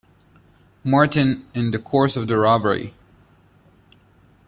Martin, in the course of the robbery.